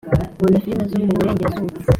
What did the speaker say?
nkunda firime zo muburengerazuba.